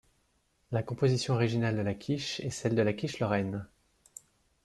La composition originale de la quiche est celle de la quiche lorraine.